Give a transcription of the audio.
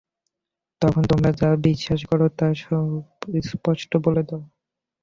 তখন তোমরা যা বিশ্বাস কর তা সুস্পষ্ট বলে দাও।